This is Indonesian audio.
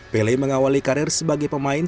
pele mengawali karir sebagai pemain